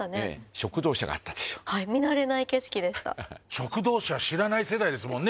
食堂車知らない世代ですもんね